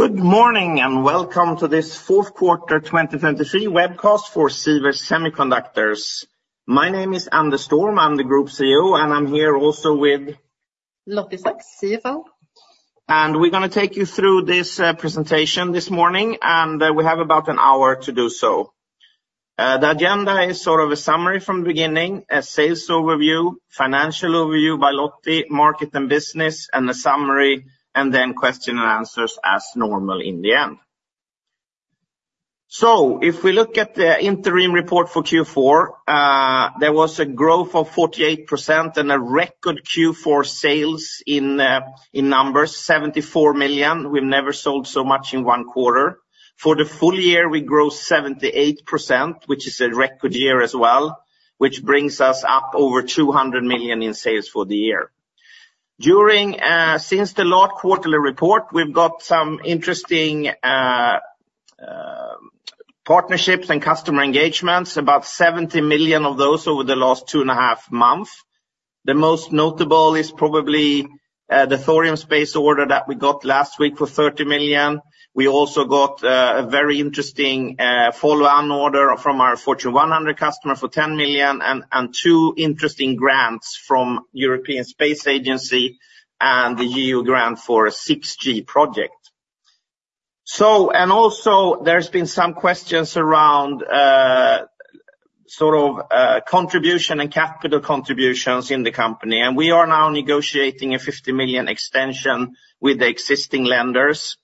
Good morning, and welcome to this fourth quarter 2023 webcast for Sivers Semiconductors. My name is Anders Storm, I'm the Group CEO, and I'm here also with... Lottie Saks, CFO. We're gonna take you through this presentation this morning, and we have about an hour to do so. The agenda is sort of a summary from the beginning, a sales overview, financial overview by Lottie, market and business, and a summary, and then question and answers as normal in the end. So if we look at the interim report for Q4, there was a growth of 48% and a record Q4 sales in numbers, 74 million. We've never sold so much in one quarter. For the full year, we grew 78%, which is a record year as well, which brings us up over 200 million in sales for the year. During since the last quarterly report, we've got some interesting partnerships and customer engagements, about 70 million of those over the last two and a half months. The most notable is probably, the Thorium Space order that we got last week for 30 million. We also got, a very interesting, follow-on order from our Fortune 100 customer for 10 million, and, and two interesting grants from European Space Agency and the EU grant for a 6G project. So and also, there's been some questions around, sort of, contribution and capital contributions in the company, and we are now negotiating a 50 million extension with the existing lenders.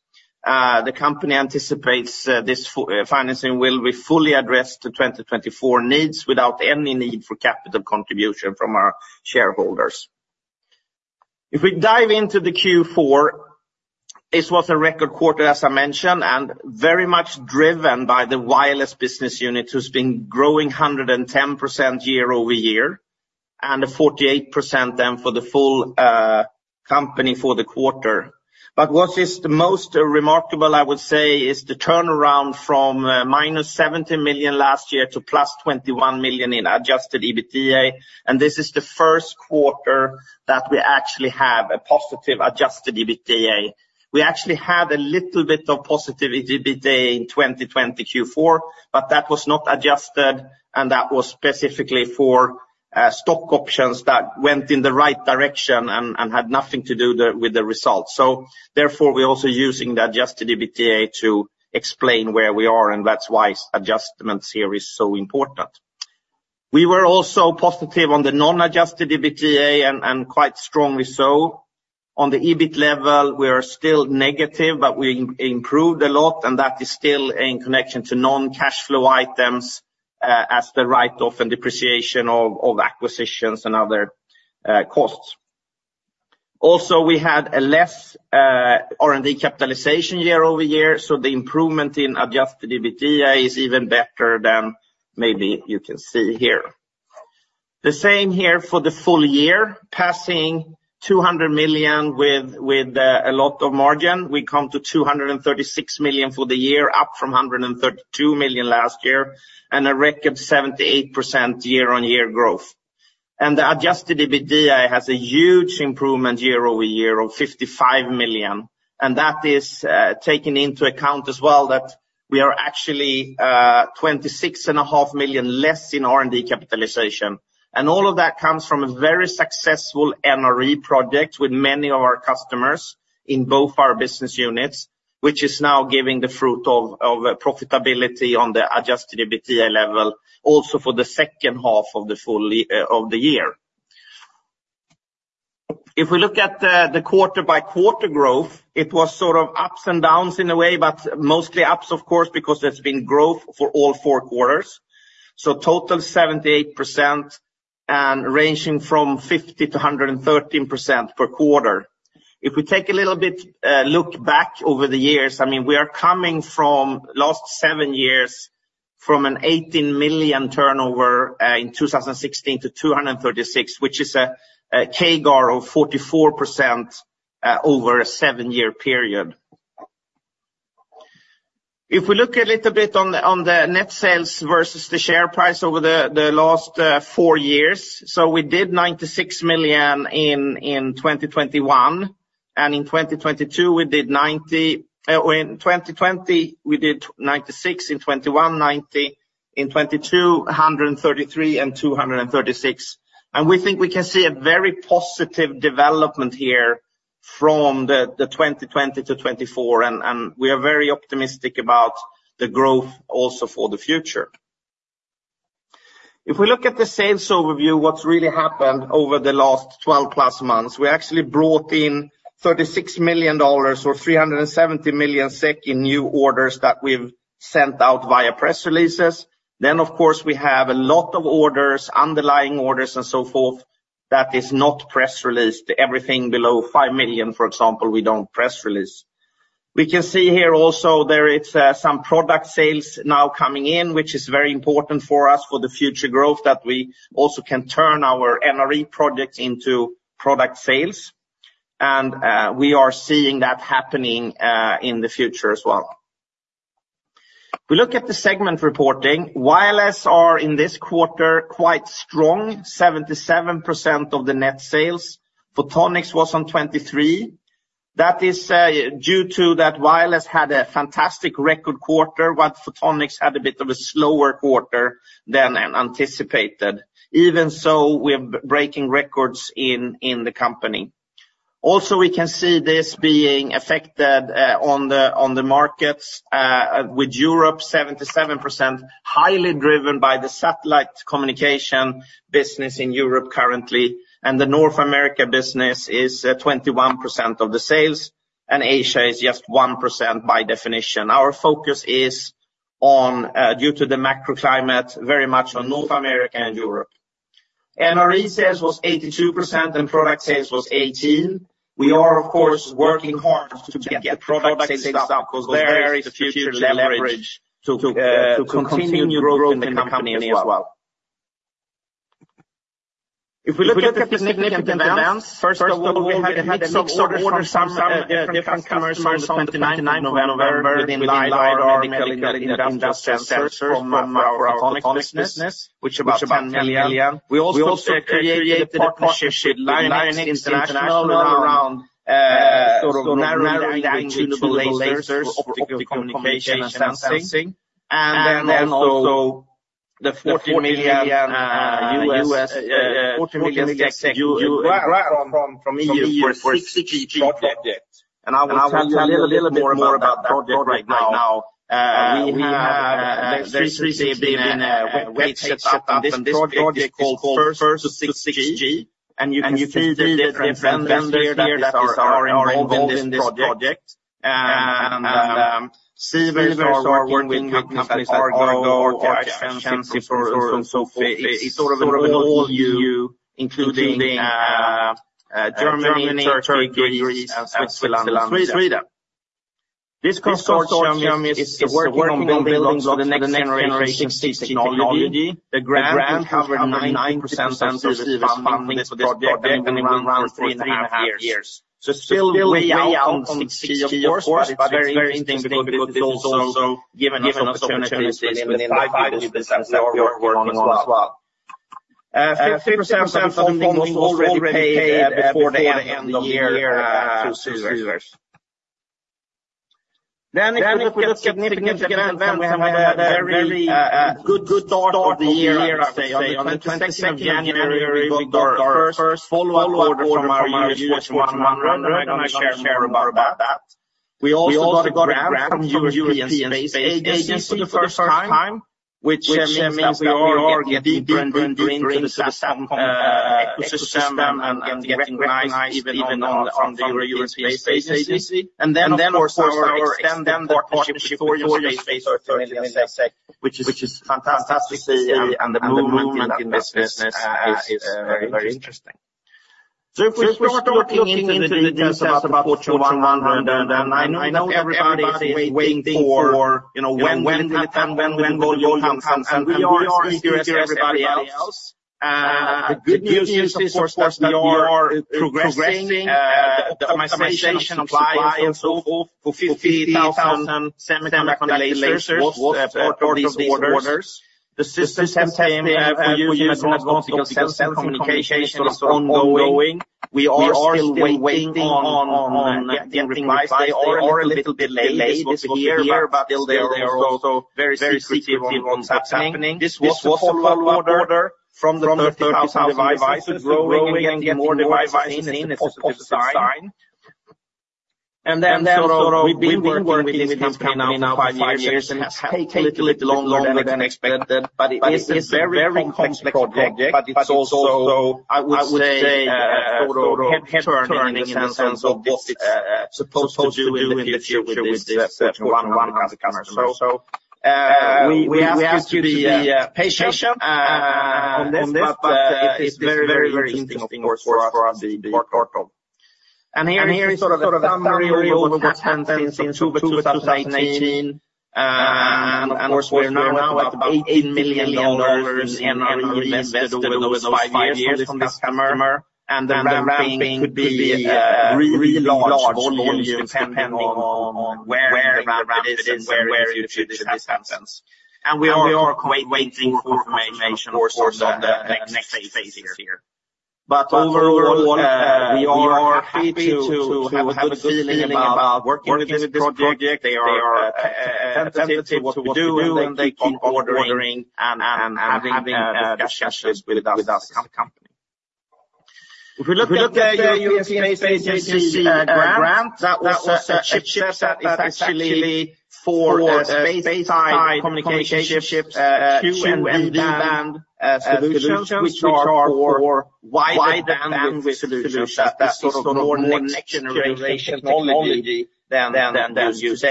The company anticipates, this financing will be fully addressed to 2024 needs without any need for capital contribution from our shareholders. If we dive into the Q4, this was a record quarter, as I mentioned, and very much driven by the wireless business unit, who's been growing 110% year-over-year, and a 48% then for the full company for the quarter. But what is the most remarkable, I would say, is the turnaround from -70 million last year to +21 million in adjusted EBITDA, and this is the first quarter that we actually have a positive adjusted EBITDA. We actually had a little bit of positive EBITDA in 2020 Q4, but that was not adjusted, and that was specifically for stock options that went in the right direction and had nothing to do with the results. So therefore, we're also using the adjusted EBITDA to explain where we are, and that's why adjustments here is so important. We were also positive on the non-adjusted EBITDA, and quite strongly so. On the EBIT level, we are still negative, but we improved a lot, and that is still in connection to non-cash flow items, as the write-off and depreciation of acquisitions and other costs. Also, we had a less R&D capitalization year-over-year, so the improvement in adjusted EBITDA is even better than maybe you can see here. The same here for the full year, passing 200 million with a lot of margin. We come to 236 million for the year, up from 132 million last year, and a record 78% year-on-year growth. The adjusted EBITDA has a huge improvement year-over-year of 55 million, and that is, taking into account as well that we are actually, 26.5 million less in R&D capitalization. And all of that comes from a very successful NRE project with many of our customers in both our business units, which is now giving the fruit of, of, profitability on the adjusted EBITDA level, also for the second half of the full year. If we look at the, the quarter-by-quarter growth, it was sort of ups and downs in a way, but mostly ups, of course, because there's been growth for all four quarters. So total, 78% and ranging from 50% to 113% per quarter. If we take a little bit look back over the years, I mean, we are coming from the last 7 years from an 18 million turnover in 2016 to 236, which is a CAGR of 44%, over a 7-year period. If we look a little bit on the net sales versus the share price over the last 4 years, so we did 96 million in 2021, and in 2022, we did. In 2020, we did 96, in 2021, 90, in 2022, 133, and 236. And we think we can see a very positive development here from 2020 to 2024, and we are very optimistic about the growth also for the future. If we look at the sales overview, what's really happened over the last 12+ months, we actually brought in $36 million or 370 million SEK in new orders that we've sent out via press releases. Then, of course, we have a lot of orders, underlying orders and so forth, that is not press released. Everything below 5 million SEK, for example, we don't press release. We can see here also there is some product sales now coming in, which is very important for us for the future growth, that we also can turn our NRE products into product sales. And we are seeing that happening in the future as well. We look at the segment reporting. Wireless are, in this quarter, quite strong, 77% of the net sales. Photonics was on 23%. That is due to that wireless had a fantastic record quarter, but Photonics had a bit of a slower quarter than anticipated. Even so, we're breaking records in the company. Also, we can see this being affected on the markets with Europe 77%, highly driven by the satellite communication business in Europe currently, and the North America business is 21% of the sales, and Asia is just 1% by definition. Our focus is on, due to the macroclimate, very much on North America and Europe. NRE sales was 82%, and product sales was 18%. We are, of course, working hard to get the product sales up, because there is the future leverage to continue growth in the company as well.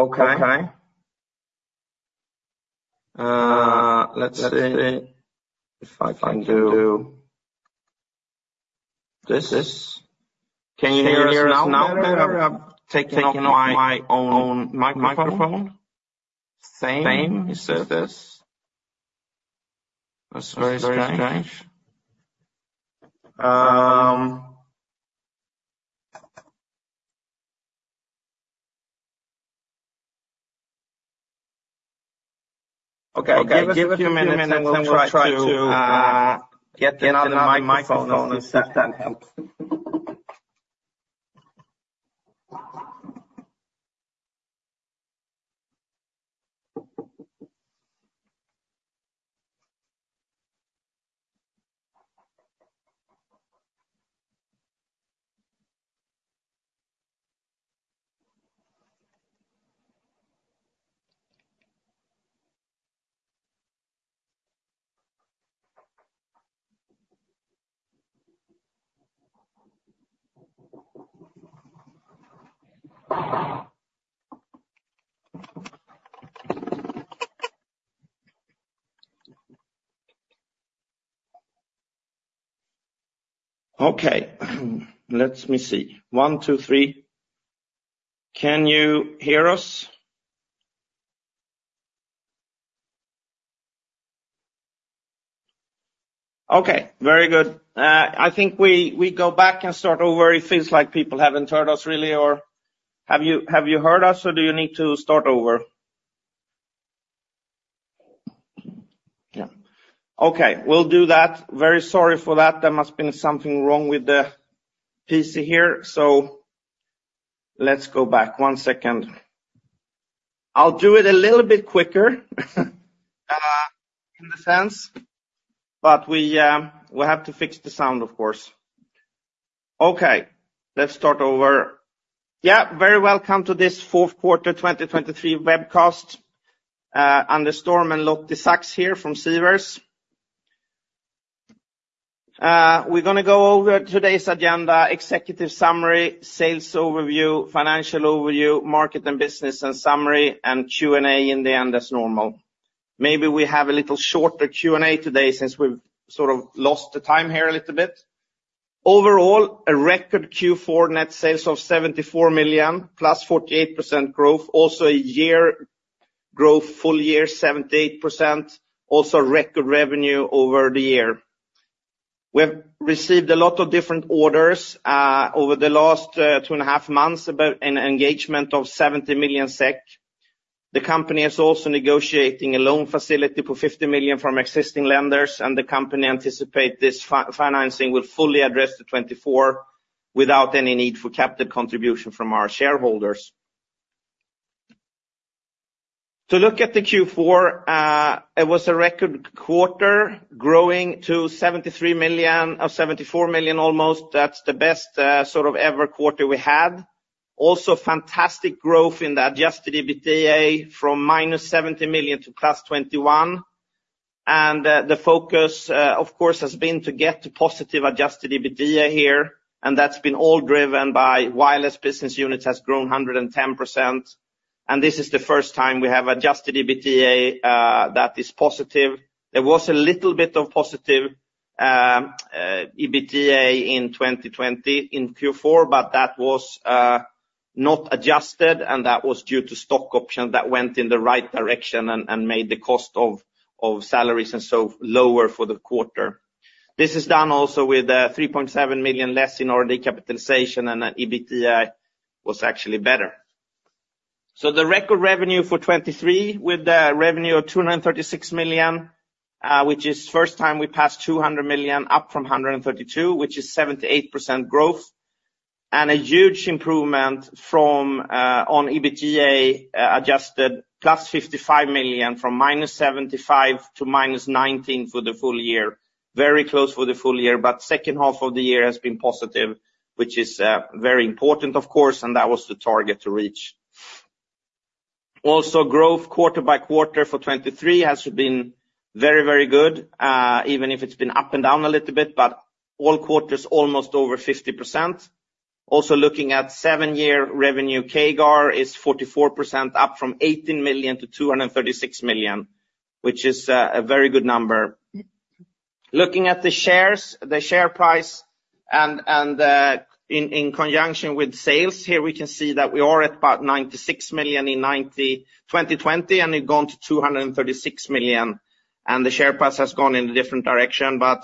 Okay, let me see. One, two, three. Can you hear us? Okay, very good. I think we, we go back and start over. It feels like people haven't heard us really, or have you, have you heard us, or do you need to start over? Yeah. Okay, we'll do that. Very sorry for that. There must been something wrong with the PC here, so let's go back. One second. I'll do it a little bit quicker, in a sense, but we, we have to fix the sound, of course. Okay, let's start over. Yeah, very welcome to this fourth quarter 2023 webcast. Anders Storm and Lottie Saks here from Sivers. We're gonna go over today's agenda, executive summary, sales overview, financial overview, market and business and summary, and Q&A in the end, as normal. Maybe we have a little shorter Q&A today since we've sort of lost the time here a little bit. Overall, a record Q4 net sales of 74 million, +48% growth. Also, a year growth, full year, 78%. Also, record revenue over the year. We have received a lot of different orders, over the last, two and a half months, about an engagement of 70 million SEK. The company is also negotiating a loan facility for 50 million from existing lenders, and the company anticipates this financing will fully address the 2024 without any need for capital contribution from our shareholders. To look at the Q4, it was a record quarter, growing to 73 million, or 74 million almost. That's the best sort of every quarter we had. Also, fantastic growth in the adjusted EBITDA from -70 million to +21 million. The focus, of course, has been to get to positive adjusted EBITDA here, and that's been all driven by wireless business units, has grown 110%. This is the first time we have adjusted EBITDA that is positive. There was a little bit of positive EBITDA in 2020, in Q4, but that was not adjusted, and that was due to stock option that went in the right direction and made the cost of salaries and so lower for the quarter. This is done also with 3.7 million less in our R&D capitalization, and that EBITDA was actually better. So the record revenue for 2023, with the revenue of 236 million, which is first time we passed 200 million, up from 132 million, which is 78% growth. And a huge improvement from on EBITDA, adjusted +55 million, from -75 million to -19 million for the full year. Very close for the full year, but second half of the year has been positive, which is very important, of course, and that was the target to reach. Also, growth quarter by quarter for 2023 has been very, very good, even if it's been up and down a little bit, but all quarters, almost over 50%. Also, looking at seven-year revenue, CAGR is 44%, up from 18 million to 236 million, which is a very good number. Looking at the shares, the share price, and in conjunction with sales, here we can see that we are at about 96 million in 2020, and we've gone to 236 million, and the share price has gone in a different direction. But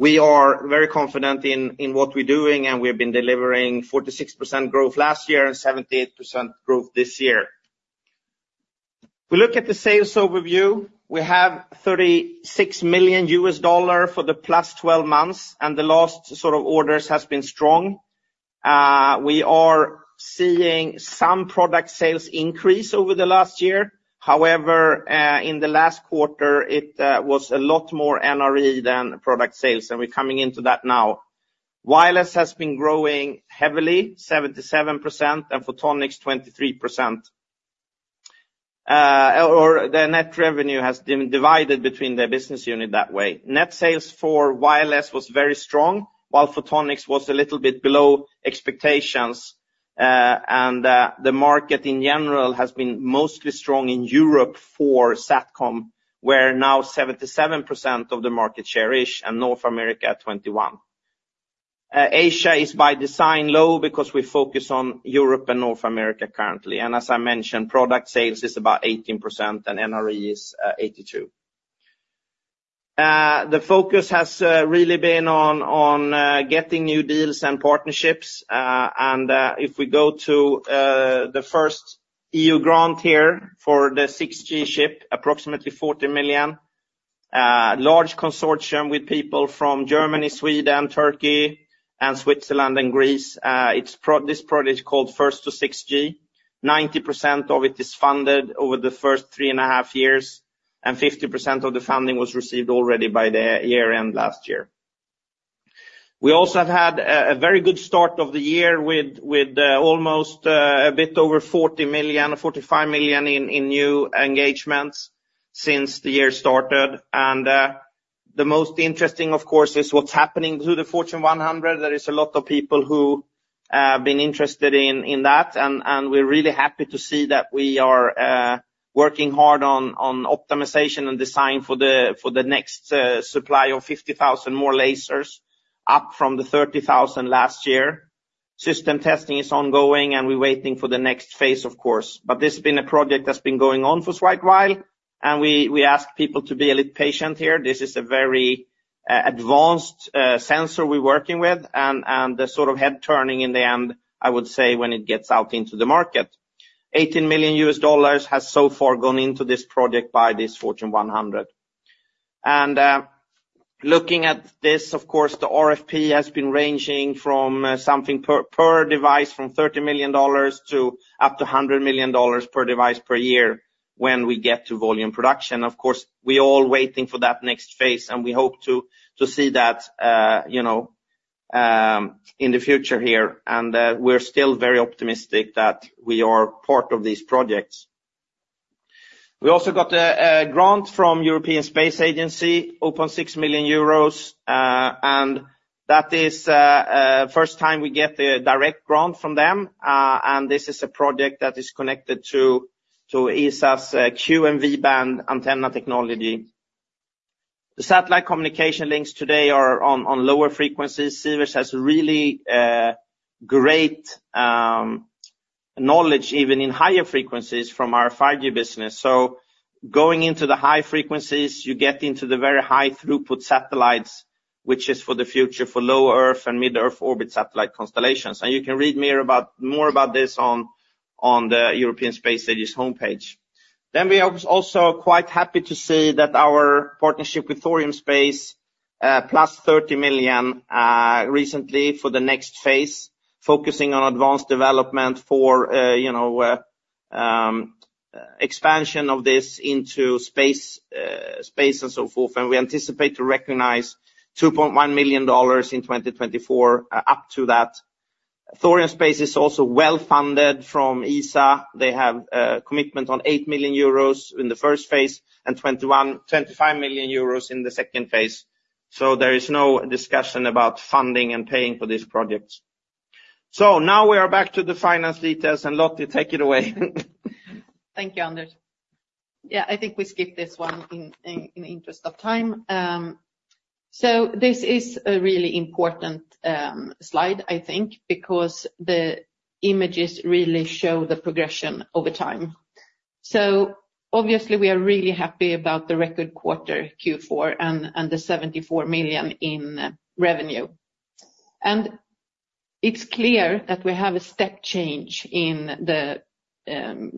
we are very confident in what we're doing, and we've been delivering 46% growth last year and 78% growth this year. We look at the sales overview. We have $36 million for the +12 months, and the last sort of orders has been strong. We are seeing some product sales increase over the last year. However, in the last quarter, it was a lot more NRE than product sales, and we're coming into that now. Wireless has been growing heavily, 77%, and Photonics, 23%. Or the net revenue has been divided between the business unit that way. Net sales for wireless was very strong, while Photonics was a little bit below expectations, and the market in general has been mostly strong in Europe for SATCOM, where now 77% of the market share is, and North America, 21%. Asia is by design low because we focus on Europe and North America currently. And as I mentioned, product sales is about 18% and NRE is 82%. The focus has really been on getting new deals and partnerships. And if we go to the first EU grant here for the 6G chip, approximately 40 million, large consortium with people from Germany, Sweden, Turkey, and Switzerland, and Greece. It's this project is called FirstTo6G. 90% of it is funded over the first 3.5 years, and 50% of the funding was received already by the year-end last year. We also have had a very good start of the year with almost a bit over 40 million, 45 million in new engagements since the year started. The most interesting, of course, is what's happening to the Fortune 100. There is a lot of people who have been interested in that, and we're really happy to see that we are working hard on optimization and design for the next supply of 50,000 more lasers, up from the 30,000 last year. System testing is ongoing, and we're waiting for the next phase, of course. But this has been a project that's been going on for quite a while, and we ask people to be a little patient here. This is a very advanced sensor we're working with and the sort of head turning in the end, I would say, when it gets out into the market. $18 million has so far gone into this project by this Fortune 100. And looking at this, of course, the RFP has been ranging from something per device from $30 million to up to $100 million per device per year when we get to volume production. Of course, we all waiting for that next phase, and we hope to see that, you know, in the future here, and we're still very optimistic that we are part of these projects. We also got a grant from the European Space Agency of 6 million euros, and that is the first time we get the direct grant from them, and this is a project that is connected to ESA's Q-band and V-band antenna technology. The satellite communication links today are on lower frequencies. Sivers has really great knowledge, even in higher frequencies from our 5G business. So going into the high frequencies, you get into the very high throughput satellites, which is for the future, for low-Earth and medium-Earth orbit satellite constellations. And you can read more about this on the European Space Agency's homepage. Then we are also quite happy to see that our partnership with Thorium Space, +$30 million, recently for the next phase, focusing on advanced development for, you know, expansion of this into space, space and so forth. And we anticipate to recognize $2.1 million in 2024, up to that. Thorium Space is also well-funded from ESA. They have, commitment on 8 million euros in the first phase and 25 million euros in the second phase. So there is no discussion about funding and paying for these projects. So now we are back to the finance details, and Lottie, take it away. Thank you, Anders. Yeah, I think we skip this one in interest of time. So this is a really important slide, I think, because the images really show the progression over time. So obviously, we are really happy about the record quarter Q4 and the 74 million in revenue. And it's clear that we have a step change in the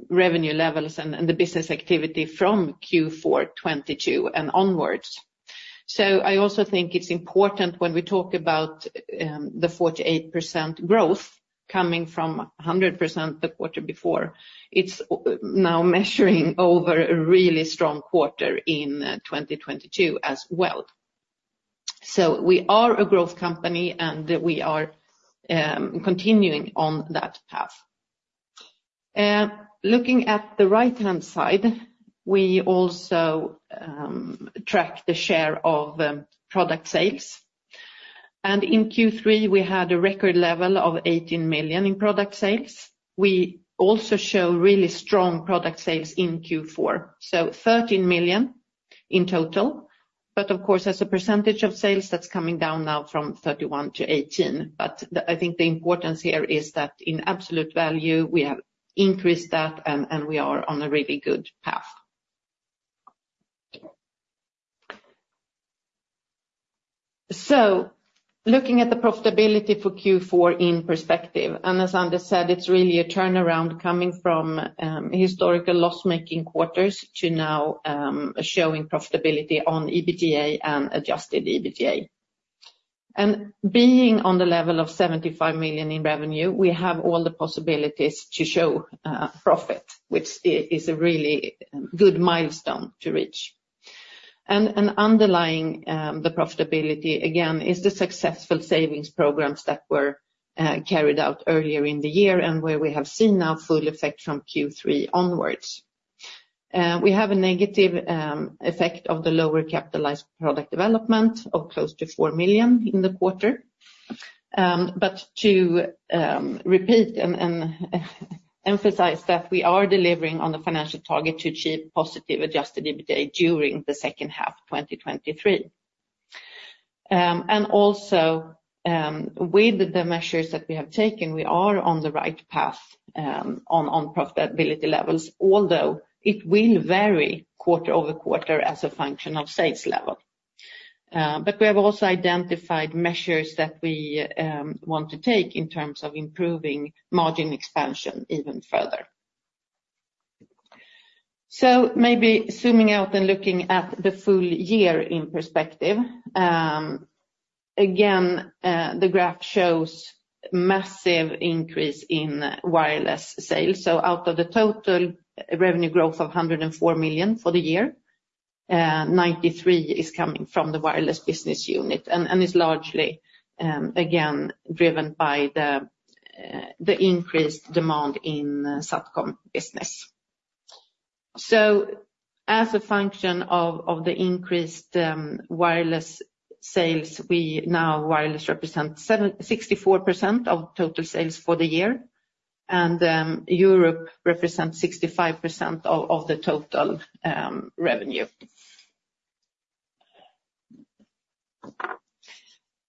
revenue levels and the business activity from Q4 2022 and onwards. So I also think it's important when we talk about the 48% growth coming from 100% the quarter before, it's now measuring over a really strong quarter in 2022 as well. So we are a growth company, and we are continuing on that path. Looking at the right-hand side, we also track the share of product sales. In Q3, we had a record level of 18 million in product sales. We also show really strong product sales in Q4, so 13 million in total. But of course, as a percentage of sales, that's coming down now from 31% to 18%. But the, I think the importance here is that in absolute value, we have increased that, and, and we are on a really good path. So looking at the profitability for Q4 in perspective, and as Anders said, it's really a turnaround coming from historical loss-making quarters to now showing profitability on EBITDA and Adjusted EBITDA. And being on the level of 75 million in revenue, we have all the possibilities to show profit, which is, is a really good milestone to reach. Underlying the profitability, again, is the successful savings programs that were carried out earlier in the year and where we have seen now full effect from Q3 onwards. We have a negative effect of the lower capitalized product development of close to 4 million in the quarter. But to repeat and emphasize that we are delivering on the financial target to achieve positive Adjusted EBITDA during the second half of 2023. And also, with the measures that we have taken, we are on the right path on profitability levels, although it will vary quarter-over-quarter as a function of sales level. But we have also identified measures that we want to take in terms of improving margin expansion even further. So maybe zooming out and looking at the full year in perspective, again, the graph shows massive increase in wireless sales. So out of the total revenue growth of 104 million for the year, 93 is coming from the wireless business unit, and is largely, again, driven by the increased demand in SATCOM business. So as a function of the increased wireless sales, we now wireless represent 76.4% of total sales for the year, and Europe represents 65% of the total revenue.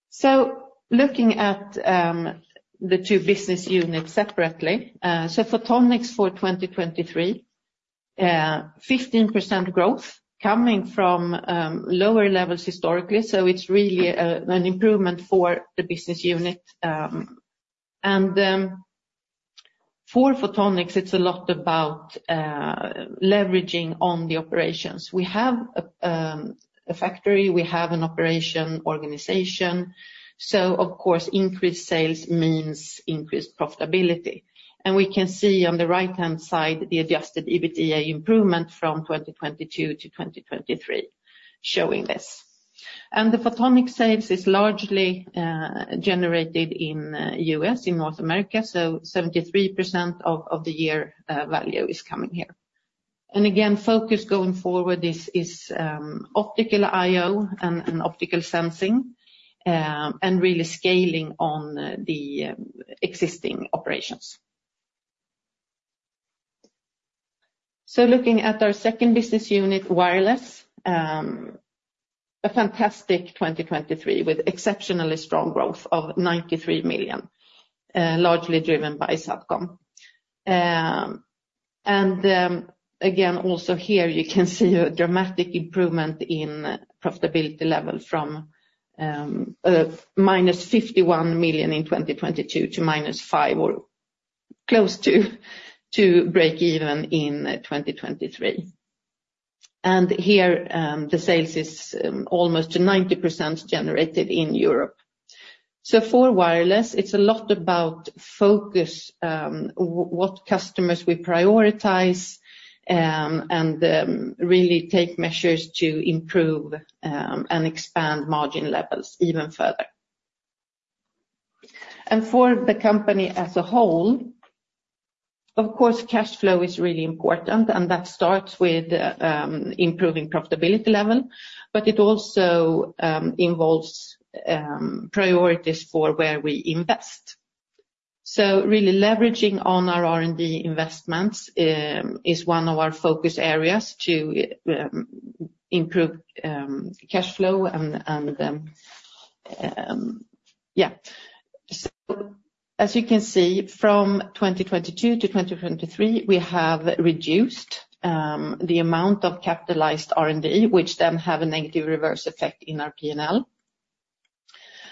So looking at the two business units separately, so Photonics for 2023, 15% growth coming from lower levels historically. So it's really an improvement for the business unit. And for Photonics, it's a lot about leveraging on the operations. We have a factory, we have an operation organization, so of course, increased sales means increased profitability. And we can see on the right-hand side, the adjusted EBITDA improvement from 2022 to 2023 showing this. And the Photonics sales is largely generated in U.S., in North America, so 73% of the year value is coming here. And again, focus going forward is Optical I/O and Optical Sensing, and really scaling on the existing operations. So looking at our second business unit, wireless, a fantastic 2023, with exceptionally strong growth of 93 million, largely driven by SATCOM. And again, also here, you can see a dramatic improvement in profitability level from -51 million in 2022 to -5 million, or close to breakeven in 2023. And here, the sales is almost 90% generated in Europe. So for wireless, it's a lot about focus, what customers we prioritize, and really take measures to improve, and expand margin levels even further. And for the company as a whole, of course, cash flow is really important, and that starts with improving profitability level, but it also involves priorities for where we invest. So really leveraging on our R&D investments is one of our focus areas to improve cash flow and... Yeah. So as you can see, from 2022 to 2023, we have reduced the amount of capitalized R&D, which then have a negative reverse effect in our P&L.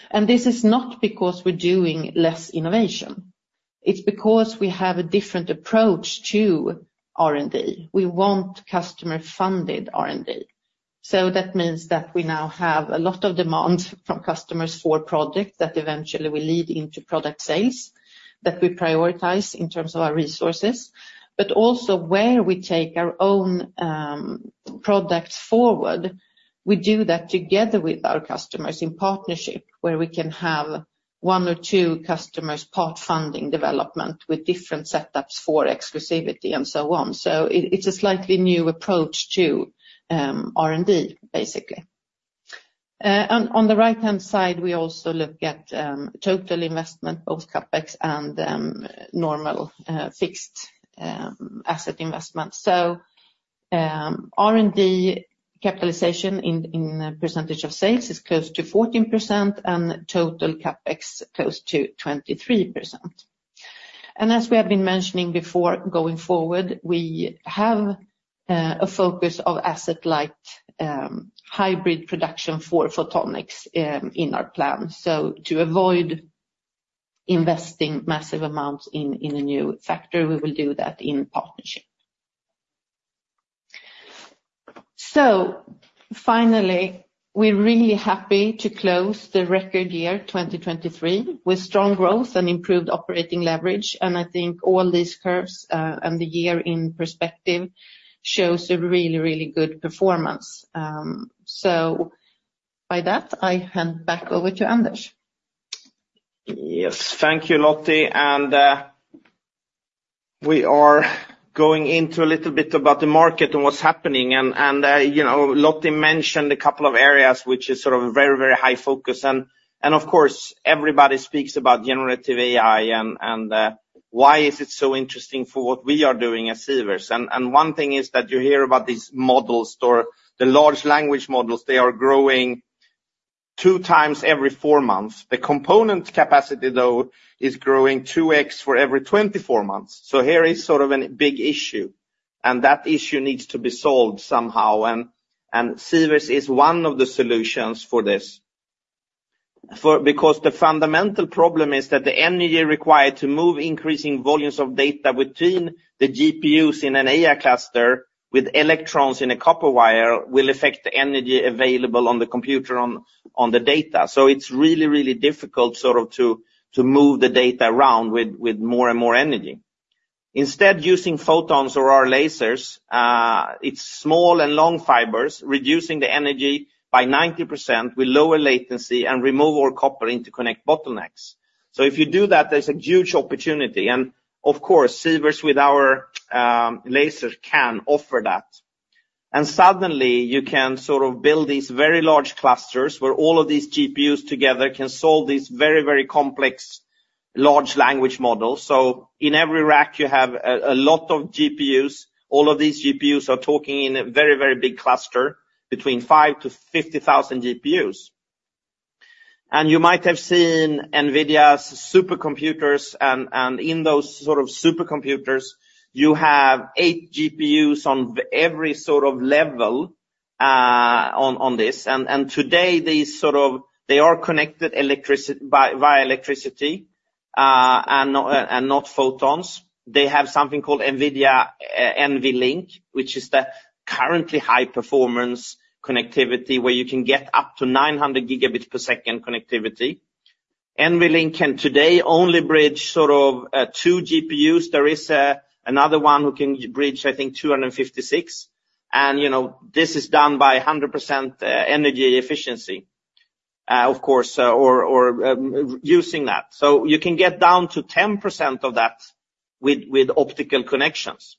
And this is not because we're doing less innovation, it's because we have a different approach to R&D. We want customer-funded R&D. So that means that we now have a lot of demand from customers for projects that eventually will lead into product sales, that we prioritize in terms of our resources, but also where we take our own products forward. We do that together with our customers in partnership, where we can have one or two customers part-funding development with different setups for exclusivity and so on. So it, it's a slightly new approach to R&D, basically. And on the right-hand side, we also look at total investment, both CapEx and normal fixed asset investment. So, R&D capitalization in percentage of sales is close to 14%, and total CapEx, close to 23%. As we have been mentioning before, going forward, we have a focus of asset like hybrid production for photonics in our plan. So to avoid investing massive amounts in a new factory, we will do that in partnership. So finally, we're really happy to close the record year, 2023, with strong growth and improved operating leverage, and I think all these curves and the year in perspective shows a really, really good performance. So by that, I hand back over to Anders. Yes, thank you, Lottie. We are going into a little bit about the market and what's happening. And, you know, Lottie mentioned a couple of areas which is sort of a very, very high focus. And, of course, everybody speaks about generative AI, and, why is it so interesting for what we are doing at Sivers? And, one thing is that you hear about these models or the large language models, they are growing 2x every 4 months. The component capacity, though, is growing 2x for every 24 months. So here is sort of a big issue, and that issue needs to be solved somehow, and, Sivers is one of the solutions for this. Because the fundamental problem is that the energy required to move increasing volumes of data between the GPUs in an AI cluster with electrons in a copper wire, will affect the energy available on the computer on, on the data. So it's really, really difficult sort of to, to move the data around with, with more and more energy. Instead, using photons or our lasers, it's small and long fibers, reducing the energy by 90% with lower latency and remove all copper interconnect bottlenecks. So if you do that, there's a huge opportunity, and of course, Sivers with our laser, can offer that. And suddenly, you can sort of build these very large clusters where all of these GPUs together can solve these very, very complex, large language models. So in every rack, you have a, a lot of GPUs. All of these GPUs are talking in a very, very big cluster between 5-50,000 GPUs. And you might have seen NVIDIA's supercomputers, and in those sort of supercomputers, you have 8 GPUs on every sort of level, on this. And today, these sort of they are connected electrically by via electricity, and not photons. They have something called NVIDIA NVLink, which is the currently high-performance connectivity, where you can get up to 900 Gbps connectivity. NVLink can today only bridge sort of 2 GPUs. There is another one who can bridge, I think, 256. And you know, this is done by 100% energy efficiency. Of course, or using that. So you can get down to 10% of that with optical connections.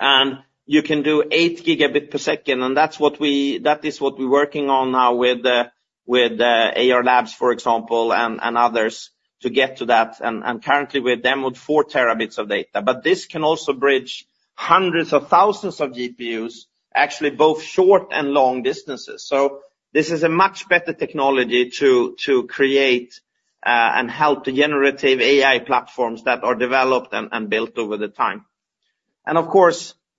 And you can do 8 Gbps, and that's what that is what we're working on now with the Ayar Labs, for example, and others, to get to that. And currently, we have demoed 4 Tb of data. But this can also bridge hundreds of thousands of GPUs, actually both short and long distances. So this is a much better technology to create and help the Generative AI platforms that are developed and built over the time. And of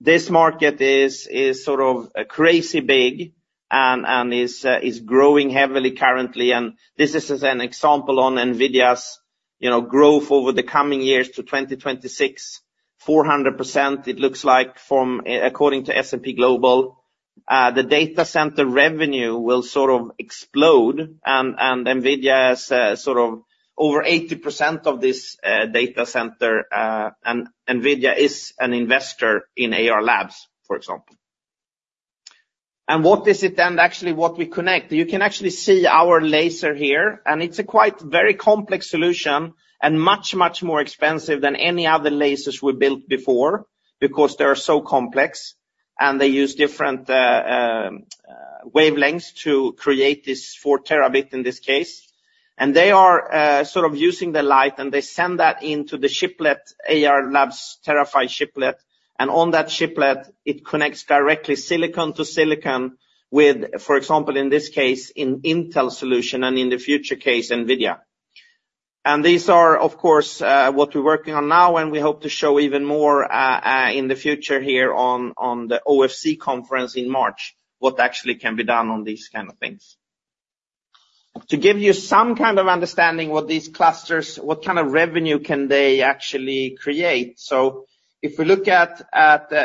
course, this market is sort of crazy big and is growing heavily currently. And this is just an example on NVIDIA's, you know, growth over the coming years to 2026, 400%, it looks like from according to S&P Global. The data center revenue will sort of explode, and, and NVIDIA has sort of over 80% of this data center, and NVIDIA is an investor in Ayar Labs, for example. And what is it then, actually, what we connect? You can actually see our laser here, and it's a quite very complex solution and much, much more expensive than any other lasers we built before, because they are so complex, and they use different wavelengths to create this 4 Tb, in this case. And they are sort of using the light, and they send that into the chiplet, Ayar Labs, TeraPHY chiplet. And on that chiplet, it connects directly silicon to silicon with, for example, in this case, in Intel solution and in the future case, NVIDIA. These are, of course, what we're working on now, and we hope to show even more in the future here on the OFC conference in March, what actually can be done on these kind of things. To give you some kind of understanding what these clusters, what kind of revenue can they actually create? So if we look at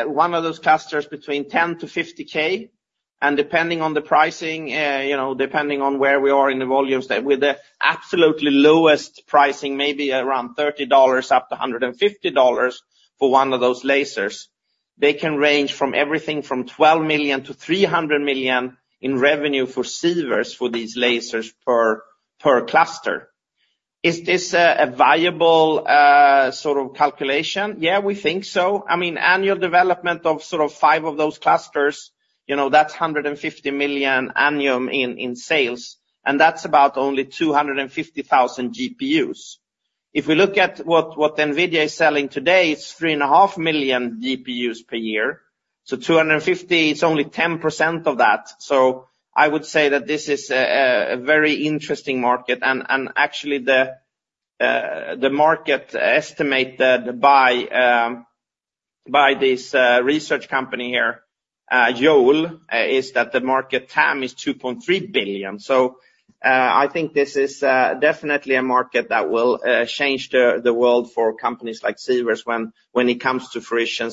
one of those clusters between $10,000-$50,000, and depending on the pricing, you know, depending on where we are in the volumes, with the absolutely lowest pricing, maybe around $30, up to $150 for one of those lasers, they can range from everything from $12 million to $300 million in revenue for Sivers for these lasers per cluster. Is this a viable sort of calculation? Yeah, we think so. I mean, annual development of sort of five of those clusters, you know, that's $150 million annual in sales, and that's about only 250,000 GPUs. If we look at what NVIDIA is selling today, it's 3.5 million GPUs per year, so 250,000, it's only 10% of that. So I would say that this is a very interesting market, and actually, the market estimate that by this research company here, Yole, is that the market TAM is $2.3 billion. So I think this is definitely a market that will change the world for companies like Sivers when it comes to fruition,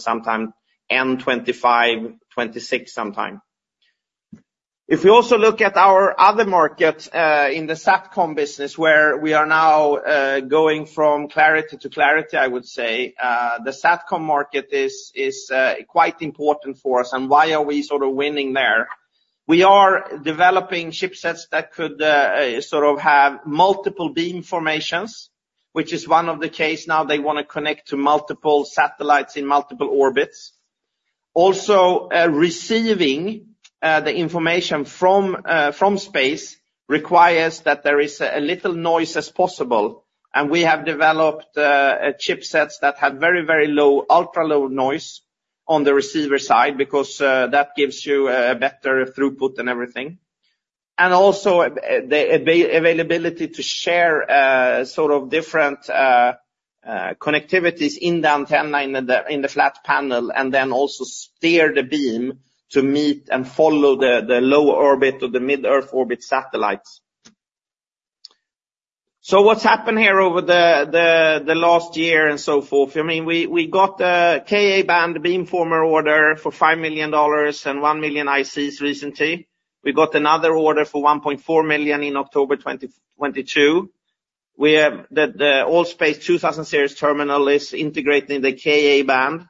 sometime end 2025, 2026, sometime. If we also look at our other markets in the SATCOM business, where we are now going from clarity to clarity, I would say the SATCOM market is quite important for us. And why are we sort of winning there? We are developing chipsets that could sort of have multiple beamformers, which is one of the case now, they want to connect to multiple satellites in multiple orbits. Also, receiving the information from space requires that there is a little noise as possible, and we have developed chipsets that have very, very low, ultra-low noise on the receiver side, because that gives you a better throughput and everything. And also, the availability to share, sort of different connectivities in the antenna in the flat panel, and then also steer the beam to meet and follow the low-orbit or the mid-earth orbit satellites. So what's happened here over the last year and so forth? I mean, we got a Ka-band beamformer order for $5 million and 1 million ICs recently. We got another order for $1.4 million in October 2022. We have the ALL.SPACE 2000 series terminal is integrating the Ka-band.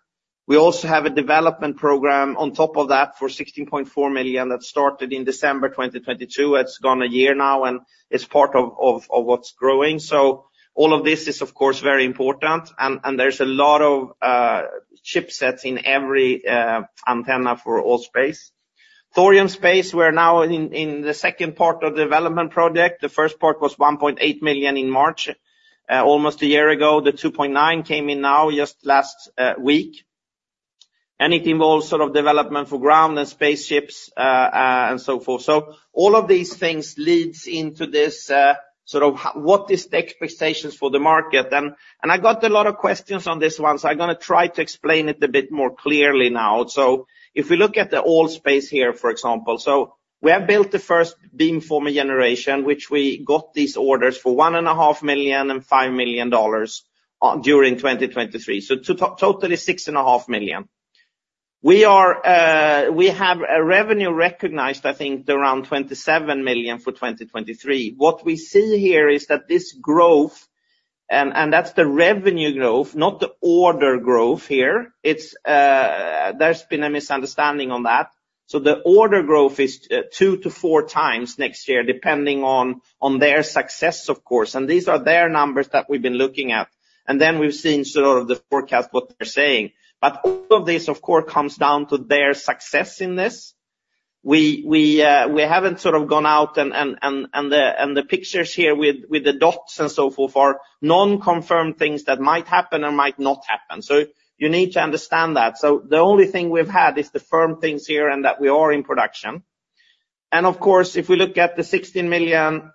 We also have a development program on top of that for $16.4 million that started in December 2022. It's gone a year now, and it's part of what's growing. So all of this is, of course, very important, and there's a lot of chipsets in every antenna for ALL.SPACE. Thorium Space, we're now in the second part of the development project. The first part was 1.8 million in March, almost a year ago. The 2.9 came in now, just last week. And it involves sort of development for ground and spaceships, and so forth. So all of these things leads into this, sort of, what is the expectations for the market? And I got a lot of questions on this one, so I'm gonna try to explain it a bit more clearly now. So if we look at the ALL.SPACE here, for example, so we have built the first beamformer generation, which we got these orders for $1.5 million and $5 million during 2023. So totally $6.5 million. We are, we have a revenue recognized, I think, around $27 million for 2023. What we see here is that this growth. And that's the revenue growth, not the order growth here. It's, there's been a misunderstanding on that. So the order growth is 2x-4x next year, depending on their success, of course, and these are their numbers that we've been looking at. And then we've seen sort of the forecast, what they're saying. But all of this, of course, comes down to their success in this. We haven't sort of gone out and the pictures here with the dots and so forth are non-confirmed things that might happen or might not happen. So you need to understand that. So the only thing we've had is the firm things here and that we are in production. And of course, if we look at the 16 million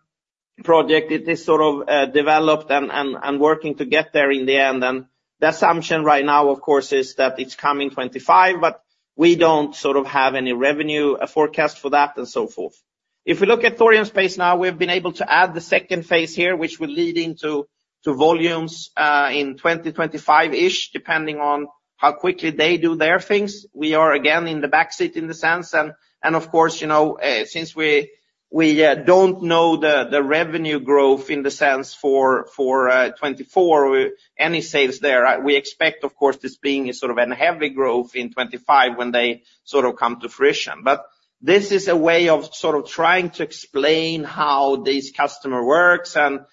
project, it is sort of developed and working to get there in the end. And the assumption right now, of course, is that it's coming 2025, but we don't sort of have any revenue forecast for that and so forth. If we look at Thorium Space now, we've been able to add the second phase here, which will lead into volumes in 2025-ish, depending on how quickly they do their things. We are again in the backseat in the sense, and of course, you know, since we don't know the revenue growth in the sense for 2024, any sales there, we expect, of course, this being a sort of heavy growth in 2025 when they sort of come to fruition. But this is a way of sort of trying to explain how this customer works, and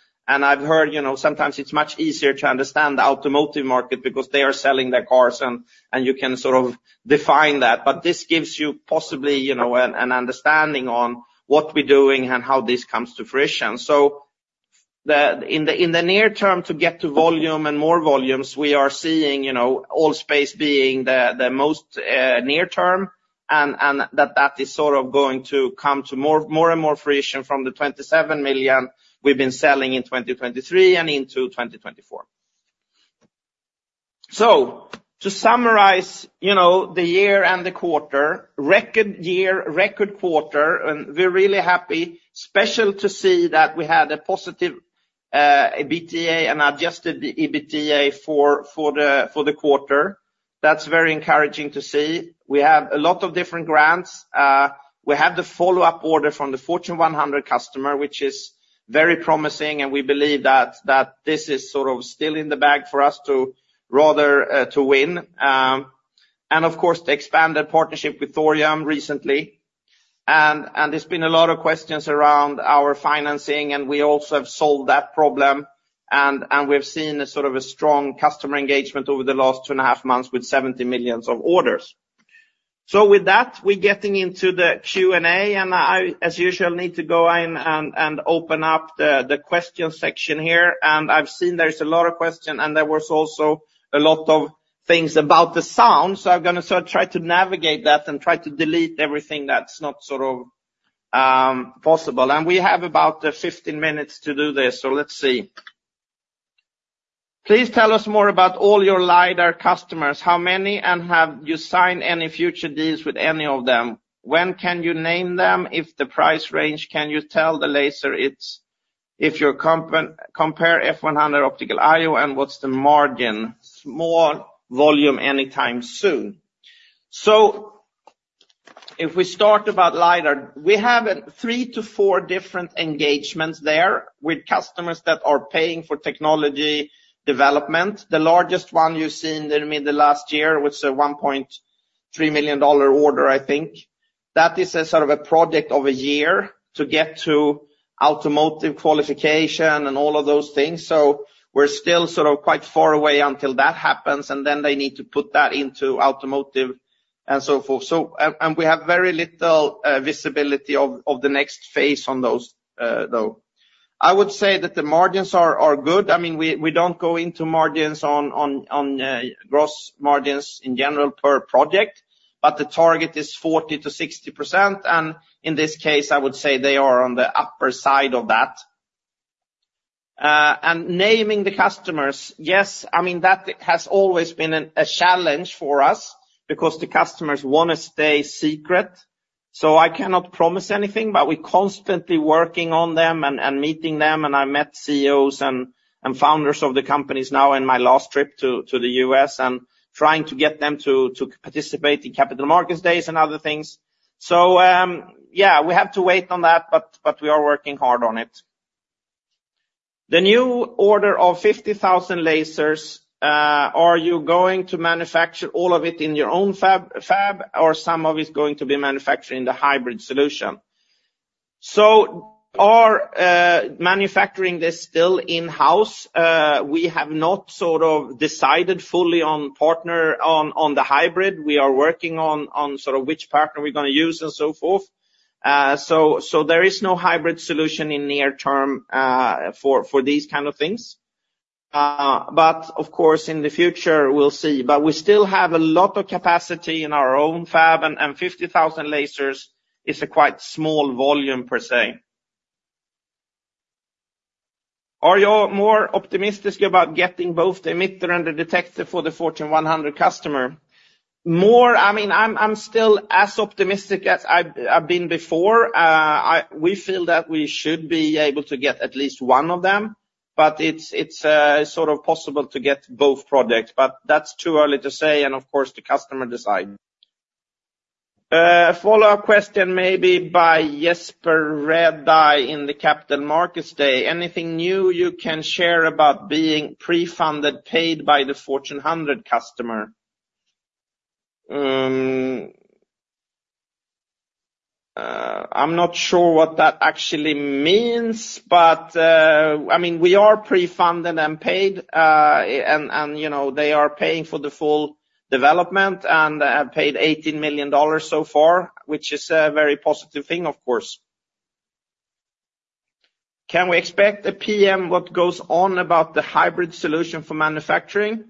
I've heard, you know, sometimes it's much easier to understand the automotive market because they are selling their cars and you can sort of define that. But this gives you possibly, you know, an understanding on what we're doing and how this comes to fruition. So, in the near term, to get to volume and more volumes, we are seeing, you know, ALL.SPACE being the most near term, and that is sort of going to come to more and more fruition from the 27 million we've been selling in 2023 and into 2024. So to summarize, you know, the year and the quarter, record year, record quarter, and we're really happy, especially to see that we had a positive EBITDA and adjusted EBITDA for the quarter. That's very encouraging to see. We have a lot of different grants. We have the follow-up order from the Fortune 100 customer, which is very promising, and we believe that this is sort of still in the bag for us to rather to win. And of course, the expanded partnership with Thorium recently. And there's been a lot of questions around our financing, and we also have solved that problem, and we've seen a sort of a strong customer engagement over the last two and a half months with 70 million of orders. So with that, we're getting into the Q&A, and I, as usual, need to go in and open up the question section here. And I've seen there's a lot of question, and there was also a lot of things about the sound. So I'm gonna sort of try to navigate that and try to delete everything that's not sort of possible. And we have about 15 minutes to do this, so let's see. Please tell us more about all your LiDAR customers, how many, and have you signed any future deals with any of them? When can you name them? If the price range, can you tell the laser if you're compare F100 Optical I/O and what's the margin, small volume anytime soon? So if we start about LiDAR, we have, 3-4 different engagements there with customers that are paying for technology development. The largest one you've seen in the middle last year, was a $1.3 million order, I think. That is a sort of a project of a year to get to automotive qualification and all of those things. So we're still sort of quite far away until that happens, and then they need to put that into automotive and so forth. So we have very little visibility of the next phase on those, though. I would say that the margins are good. I mean, we don't go into margins on gross margins in general per project, but the target is 40%-60%, and in this case, I would say they are on the upper side of that. And naming the customers, yes, I mean, that has always been a challenge for us because the customers want to stay secret. So I cannot promise anything, but we're constantly working on them and meeting them, and I met CEOs and founders of the companies now in my last trip to the U.S., and trying to get them to participate in capital markets days and other things. So, yeah, we have to wait on that, but we are working hard on it. The new order of 50,000 lasers, are you going to manufacture all of it in your own fab, or some of it's going to be manufactured in the hybrid solution? So our manufacturing is still in-house. We have not sort of decided fully on partner on the hybrid. We are working on sort of which partner we're gonna use and so forth. So there is no hybrid solution in near term for these kind of things. But of course, in the future, we'll see. But we still have a lot of capacity in our own fab, and 50,000 lasers is a quite small volume, per se. Are you more optimistic about getting both the emitter and the detector for the Fortune 100 customer? More, I mean, I'm still as optimistic as I've been before. We feel that we should be able to get at least one of them, but it's sort of possible to get both products, but that's too early to say, and of course, the customer decides. A follow-up question maybe by Jesper Redeye in the Capital Markets Day. Anything new you can share about being pre-funded, paid by the Fortune 100 customer? I'm not sure what that actually means, but I mean, we are pre-funded and paid, and you know, they are paying for the full development and have paid $18 million so far, which is a very positive thing, of course. Can we expect a PM what goes on about the hybrid solution for manufacturing?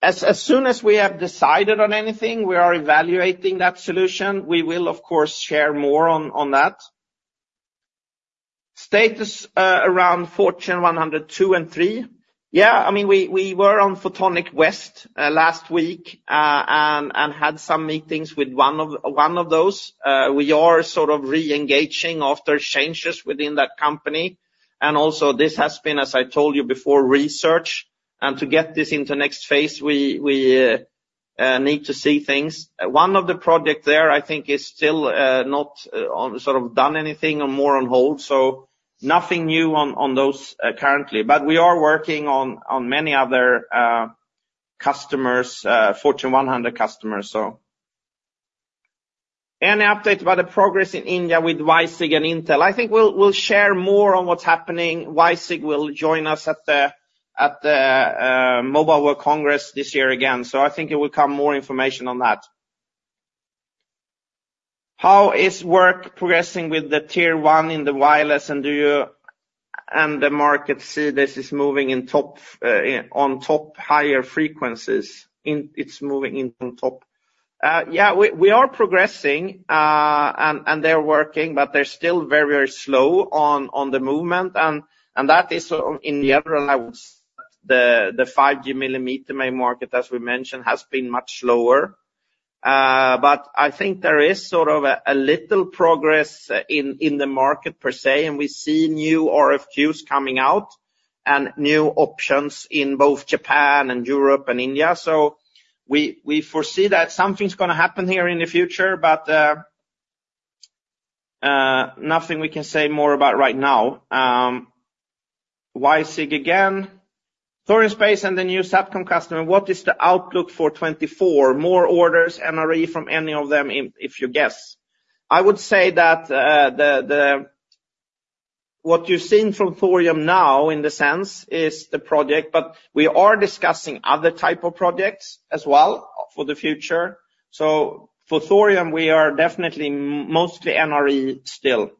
As soon as we have decided on anything, we are evaluating that solution, we will, of course, share more on that. Status around Fortune 100, 200, and 300? Yeah, I mean, we were on Photonics West last week and had some meetings with one of those. We are sort of reengaging after changes within that company. And also this has been, as I told you before, research, and to get this into next phase, we need to see things. One of the project there, I think, is still not sort of done anything or more on hold, so nothing new on those currently. But we are working on many other customers, Fortune 100 customers, so. Any update about the progress in India with WiSig and Intel? I think we'll, we'll share more on what's happening. WiSig will join us at the, at the, Mobile World Congress this year again, so I think it will come more information on that. How is work progressing with the Tier 1 in the wireless, and do you and the market see this is moving in top, on top higher frequencies? It's moving in on top. Yeah, we, we are progressing, and, and they're working, but they're still very, very slow on, on the movement, and, and that is in the other levels. The, the 5G millimeter wave market, as we mentioned, has been much slower. But I think there is sort of a little progress in the market per se, and we see new RFQs coming out and new options in both Japan and Europe and India. So we foresee that something's gonna happen here in the future, but nothing we can say more about right now. WiSig again. Thorium Space and the new SATCOM customer, what is the outlook for 2024? More orders, NRE from any of them, if you guess? I would say that what you've seen from Thorium now, in the sense, is the project, but we are discussing other type of projects as well for the future. So for Thorium, we are definitely mostly NRE still.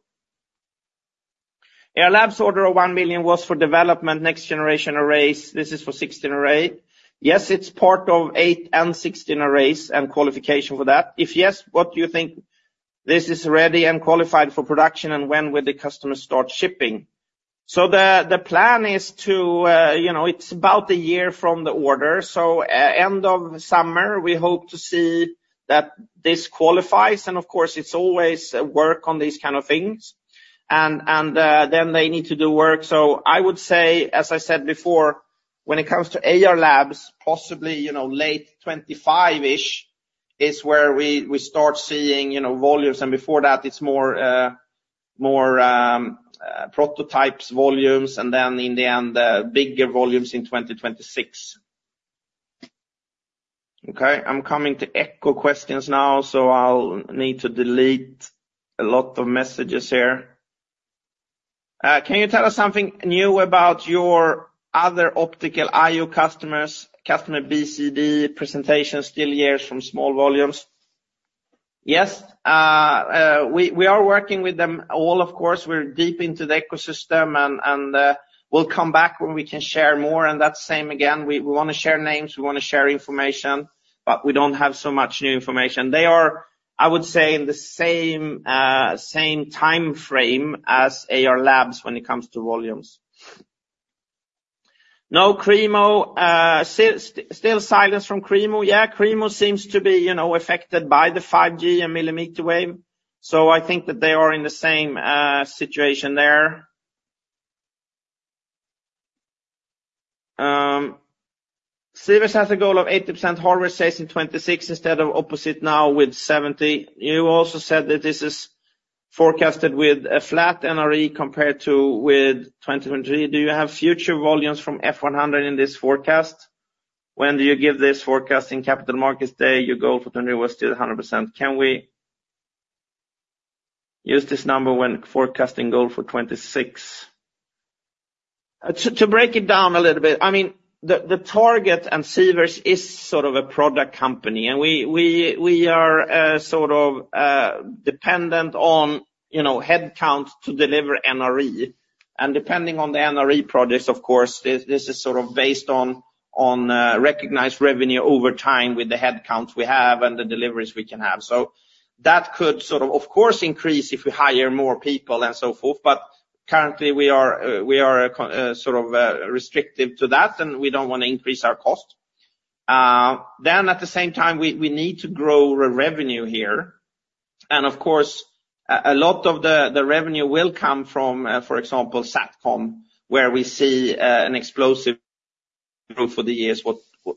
Ayar Labs order of $1 million was for development next generation arrays. This is for 16 array. Yes, it's part of 8 and 16 arrays and qualification for that. If yes, what do you think this is ready and qualified for production, and when will the customer start shipping? So the plan is to, you know, it's about a year from the order. So, end of summer, we hope to see that this qualifies, and of course, it's always work on these kind of things, and, then they need to do work. So I would say, as I said before, when it comes to Ayar Labs, possibly, you know, late 2025-ish is where we start seeing, you know, volumes, and before that, it's more, more, prototypes, volumes, and then in the end, bigger volumes in 2026. Okay, I'm coming to Echo questions now, so I'll need to delete a lot of messages here. Can you tell us something new about your other Optical I/O customers, customer BCD presentation, still years from small volumes? Yes, we are working with them all, of course, we're deep into the ecosystem and we'll come back when we can share more, and that's same again. We wanna share names, we wanna share information, but we don't have so much new information. They are, I would say, in the same time frame as Ayar Labs when it comes to volumes. No KREEMO, still silence from KREEMO. Yeah, KREEMO seems to be, you know, affected by the 5G and millimeter wave, so I think that they are in the same situation there. Sivers has a goal of 80% hardware sales in 2026 instead of opposite now with 70. You also said that this is forecasted with a flat NRE compared to with 2020. Do you have future volumes from F100 in this forecast? When do you give this forecast in Capital Markets Day, your goal for 20 was still 100%. Can we use this number when forecasting goal for 2026? To break it down a little bit, I mean, the target and Sivers is sort of a product company, and we are sort of dependent on, you know, head count to deliver NRE. And depending on the NRE projects, of course, this is sort of based on recognized revenue over time with the headcounts we have and the deliveries we can have. So that could sort of course increase if we hire more people and so forth, but currently we are, we are, sort of, restrictive to that, and we don't wanna increase our cost. Then at the same time, we, we need to grow revenue here. And of course, a lot of the revenue will come from, for example, SATCOM, where we see an explosive growth for the years,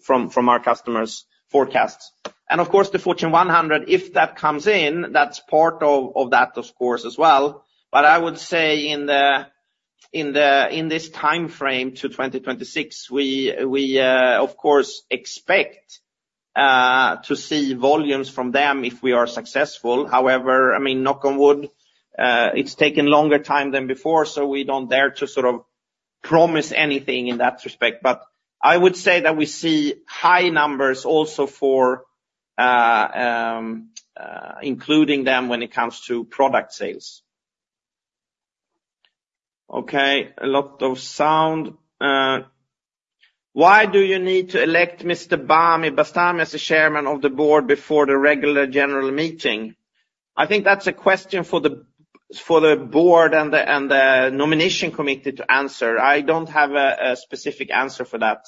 from our customers' forecasts. And of course, the Fortune 100, if that comes in, that's part of that, of course, as well. But I would say in the, in the, in this time frame to 2026, we, we, of course, expect to see volumes from them if we are successful. However, I mean, knock on wood, it's taken longer time than before, so we don't dare to sort of promise anything in that respect. But I would say that we see high numbers also for, including them when it comes to product sales. Okay, a lot of sound. Why do you need to elect Mr. Bami Bastani as the chairman of the board before the regular general meeting? I think that's a question for the board and the nomination committee to answer. I don't have a specific answer for that.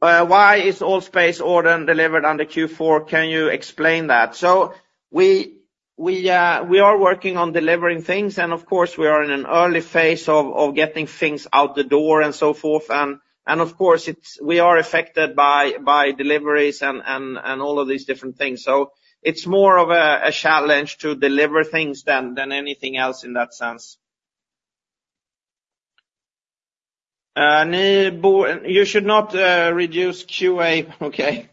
Why is ALL.SPACE order delivered under Q4? Can you explain that? So we are working on delivering things, and of course, we are in an early phase of getting things out the door and so forth. Of course, it's we are affected by deliveries and all of these different things. So it's more of a challenge to deliver things than anything else in that sense. You should not reduce QA. Okay.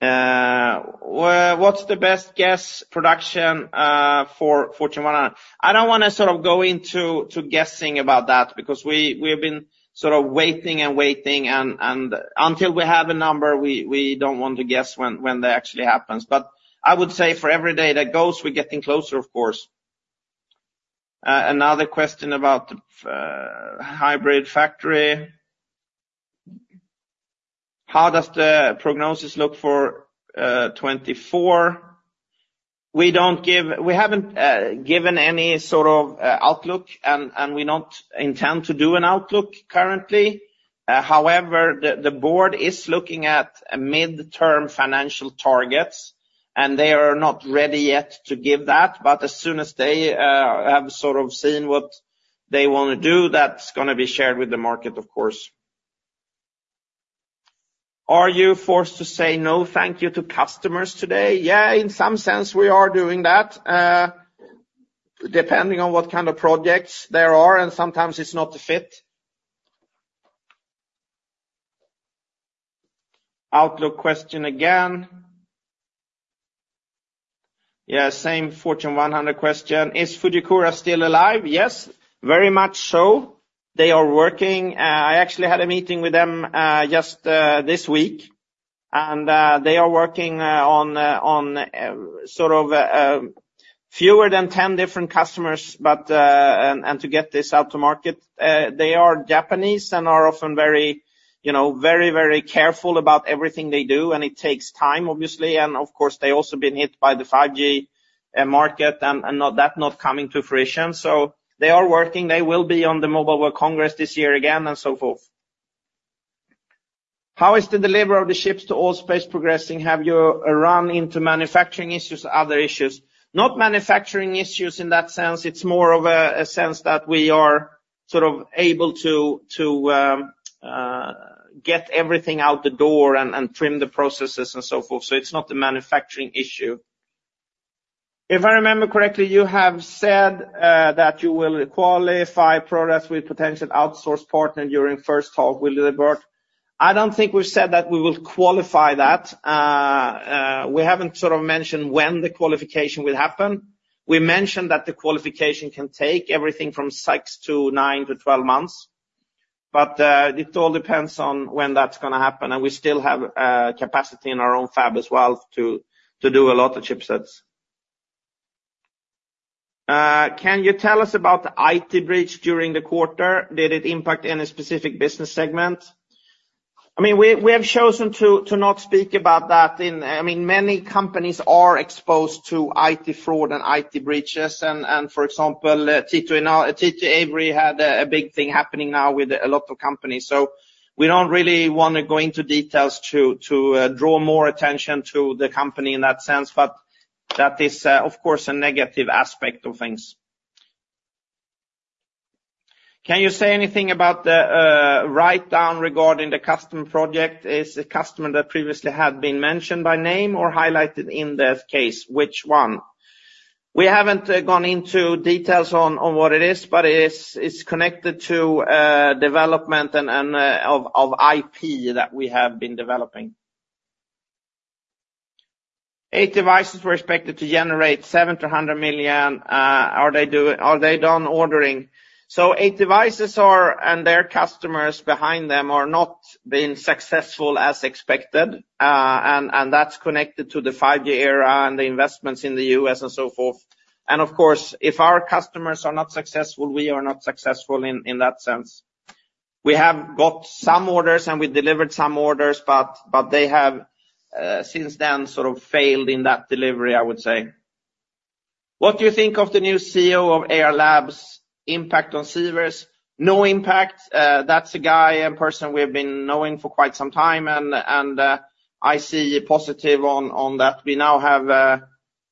Well, what's the best guess production for Fortune 100? I don't wanna sort of go into guessing about that because we have been sort of waiting and waiting, and until we have a number, we don't want to guess when that actually happens. But I would say for every day that goes, we're getting closer, of course. Another question about hybrid factory. How does the prognosis look for 2024? We don't give—we haven't given any sort of outlook, and we don't intend to do an outlook currently. However, the board is looking at a midterm financial targets, and they are not ready yet to give that, but as soon as they have sort of seen what they wanna do, that's gonna be shared with the market, of course. Are you forced to say no, thank you to customers today? Yeah, in some sense, we are doing that, depending on what kind of projects there are, and sometimes it's not a fit. Outlook question again. Yeah, same Fortune 100 question. Is Fujikura still alive? Yes, very much so. They are working. I actually had a meeting with them just this week, and they are working on sort of fewer than 10 different customers, but and to get this out to market, they are Japanese and are often very, you know, very, very careful about everything they do, and it takes time, obviously. And of course, they also been hit by the 5G market and that not coming to fruition. So they are working, they will be on the Mobile World Congress this year again, and so forth. How is the delivery of the chips to ALL.SPACE progressing? Have you run into manufacturing issues or other issues? Not manufacturing issues in that sense. It's more of a sense that we are sort of able to get everything out the door and trim the processes and so forth. So it's not a manufacturing issue. If I remember correctly, you have said that you will qualify products with potential outsource partner during first talk with the board. I don't think we've said that we will qualify that. We haven't sort of mentioned when the qualification will happen. We mentioned that the qualification can take everything from 6 to 9 to 12 months, but it all depends on when that's gonna happen, and we still have capacity in our own fab as well to do a lot of chipsets. Can you tell us about the IT breach during the quarter? Did it impact any specific business segment? I mean, we have chosen to not speak about that. I mean, many companies are exposed to IT fraud and IT breaches, and for example, TT now, Tietoevry had a big thing happening now with a lot of companies. So we don't really wanna go into details to draw more attention to the company in that sense, but that is, of course, a negative aspect of things. Can you say anything about the write down regarding the customer project? Is the customer that previously had been mentioned by name or highlighted in the case, which one? We haven't gone into details on what it is, but it is, it's connected to development and of IP that we have been developing. 8 devices were expected to generate 7 million-100 million. Are they done ordering? So eight devices are, and their customers behind them are not being successful as expected, and that's connected to the 5G era and the investments in the U.S. and so forth. Of course, if our customers are not successful, we are not successful in that sense. We have got some orders, and we delivered some orders, but they have since then sort of failed in that delivery, I would say. What do you think of the new CEO of Ayar Labs impact on Sivers? No impact. That's a guy and person we've been knowing for quite some time, and I see a positive on that. We now have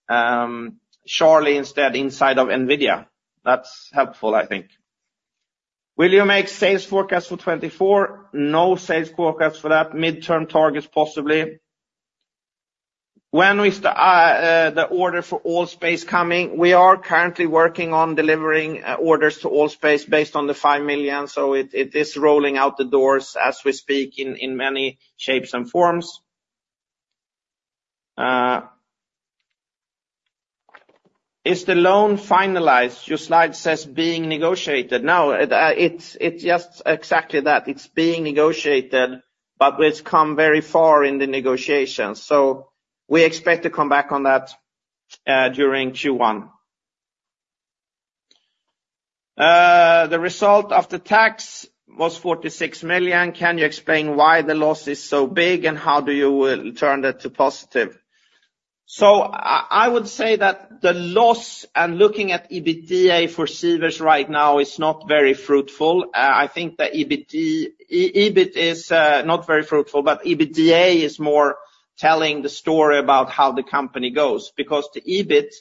someone inside of NVIDIA. That's helpful, I think. Will you make sales forecast for 2024? No sales forecast for that. Midterm targets, possibly. When is the order for ALL.SPACE coming? We are currently working on delivering orders to ALL.SPACE based on the 5 million, so it is rolling out the doors as we speak in many shapes and forms. Is the loan finalized? Your slide says being negotiated. No, it's just exactly that. It's being negotiated, but it's come very far in the negotiations. So we expect to come back on that during Q1. The result of the tax was 46 million. Can you explain why the loss is so big, and how do you turn that to positive? So I would say that the loss and looking at EBITDA for Sivers right now is not very fruitful. I think the EBT... EBIT is not very fruitful, but EBITDA is more telling the story about how the company goes. Because the EBIT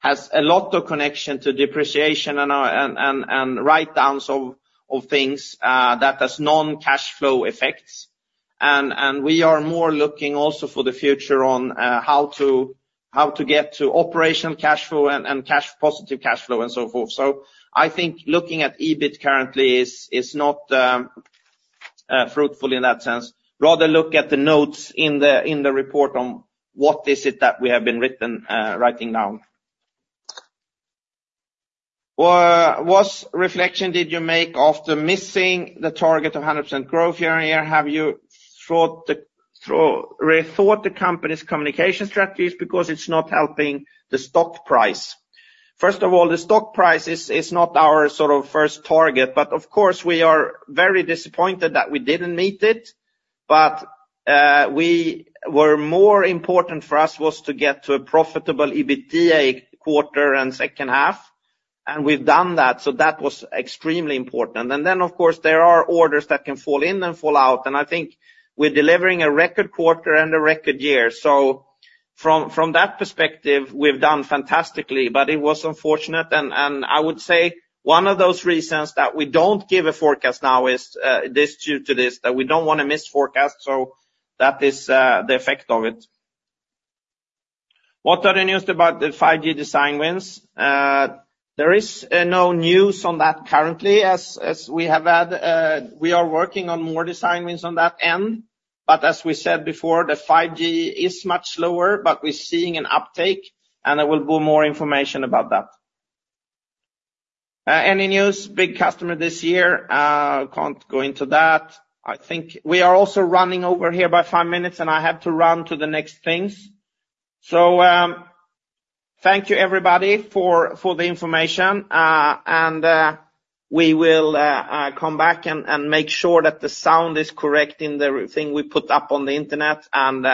has a lot of connection to depreciation and our write downs of things that has non-cash flow effects. We are more looking also for the future on how to get to operational cash flow and cash positive cash flow and so forth. So I think looking at EBIT currently is not fruitful in that sense. Rather, look at the notes in the report on what is it that we have been writing down. What reflection did you make after missing the target of 100% growth year-on-year? Have you rethought the company's communication strategies because it's not helping the stock price? First of all, the stock price is not our sort of first target, but of course, we are very disappointed that we didn't meet it. What was more important for us was to get to a profitable EBITDA quarter and second half, and we've done that, so that was extremely important. Then, of course, there are orders that can fall in and fall out, and I think we're delivering a record quarter and a record year. So from that perspective, we've done fantastically, but it was unfortunate. I would say one of those reasons that we don't give a forecast now is this, due to this, that we don't want to miss forecast, so that is the effect of it. What are the news about the 5G design wins? There is no news on that currently. As we have had, we are working on more design wins on that end. But as we said before, the 5G is much slower, but we're seeing an uptake, and there will be more information about that. Any news, big customer this year? Can't go into that. I think we are also running over here by five minutes, and I have to run to the next things. So, thank you, everybody, for the information. And we will come back and make sure that the sound is correct in the thing we put up on the internet, and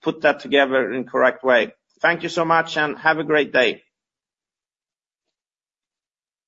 put that together in correct way. Thank you so much, and have a great day.